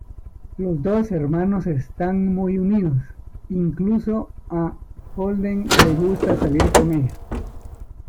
Los dos hermanos están muy unidos, incluso a Holden le gusta salir con ella.